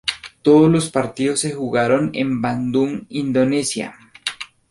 Todos los partidos se jugaron en Bandung, Indonesia.